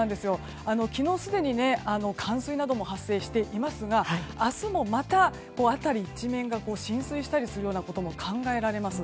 昨日すでに冠水なども発生していますが明日もまた辺り一面が浸水したりすることも考えられます。